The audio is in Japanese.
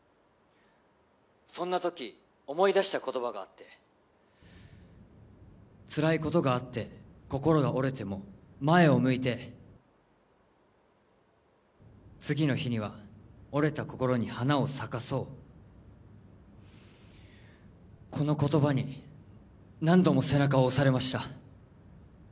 そんな時思い出した言葉があってつらいことがあって心が折れても前を向いて次の日には折れた心に花を咲かそうこの言葉に何度も背中を押されました